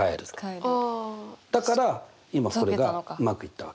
だから今これがうまくいった。